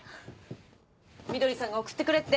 みどりさんが送ってくれって。